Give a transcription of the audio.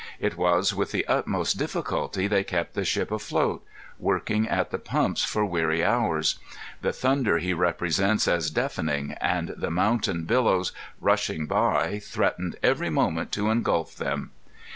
It was with the utmost difficulty they kept the ship afloat, working at the pumps for weary hours. The thunder he represents as deafening, and the mountain billows, rushing by, threatened every moment to ingulf them.